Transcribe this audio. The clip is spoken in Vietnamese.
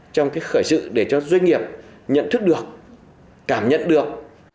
trong cái khởi sự để cho doanh nghiệp nhận thức được cảm nhận được